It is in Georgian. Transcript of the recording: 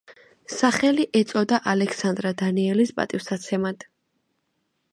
სახელი ეწოდა ალექსანდრა დანიელის პატივსაცემად.